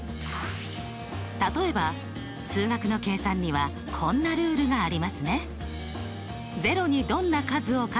例えば数学の計算にはこんなルールがありますね。